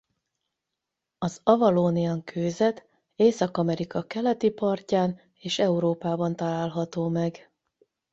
Az Avalonian-kőzet Észak-Amerika keleti partján és Európában található meg.